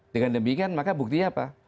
dengan demikian maka buktinya apa